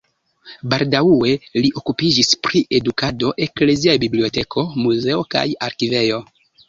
Baldaŭe li okupiĝis pri edukado, ekleziaj biblioteko, muzeo kaj arkivejo.